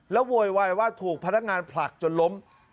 โวยวายว่าถูกพนักงานผลักจนล้ม